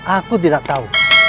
aku tidak tahu